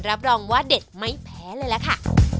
รับรองว่าเด็ดไม่แพ้เลยล่ะค่ะ